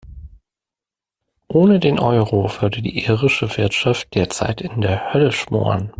Ohne den Euro würde die irische Wirtschaft derzeit in der Hölle schmoren.